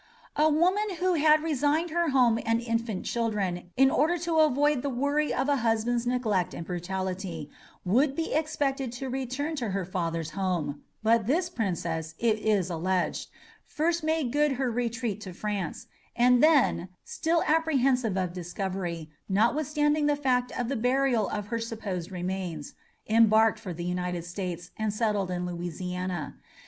A woman who had resigned her home and infant children in order to avoid the worry of a husband's neglect or brutality, would be expected to return to her father's home; but this princess, it is alleged, first made good her retreat to France, and then, still apprehensive of discovery, notwithstanding the fact of the burial of her supposed remains, embarked for the United States, and settled in Louisiana.